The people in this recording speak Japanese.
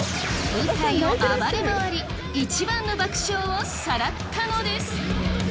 舞台を暴れ回り一番の爆笑をさらったのです！